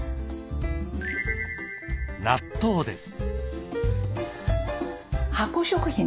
納豆です。